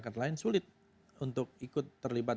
dan sulit untuk ikut terlibat